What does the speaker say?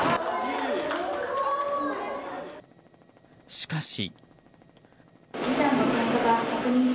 しかし。